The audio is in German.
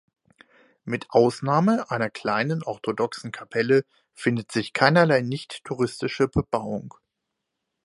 Mit Ausnahme einer kleinen orthodoxen Kapelle findet sich keinerlei nicht-touristische Bebauung.